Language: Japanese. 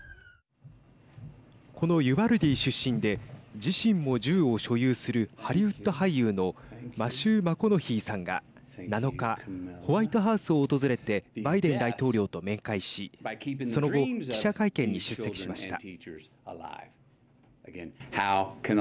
このユバルディ出身で自身も銃を所有するハリウッド俳優のマシュー・マコノヒーさんが７日ホワイトハウスを訪れてバイデン大統領と面会しその後記者会見に出席しました。